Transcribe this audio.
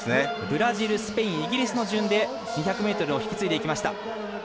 ブラジル、スペインイギリスの順で２００ｍを引き継いでいきました。